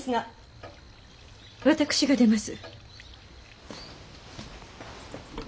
私が出ます。